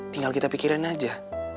tinggal kita pikirin aja